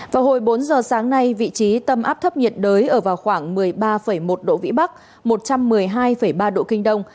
vào hồi bốn giờ sáng nay vị trí tâm áp thấp nhiệt đới ở vào khoảng một mươi ba một độ vĩ bắc một trăm một mươi hai ba độ kinh đông